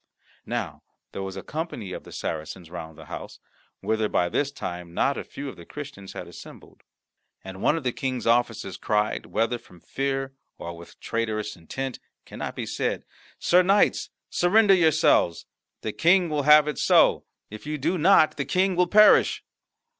Now there was a company of the Saracens round the house, whither by this time not a few of the Christians had assembled. And one of the King's officers cried whether from fear or with traitorous intent cannot be said "Sir knights, surrender yourselves! The King will have it so; if you do not, the King will perish."